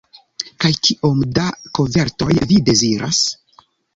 Kaj kiom da kovertoj vi deziras?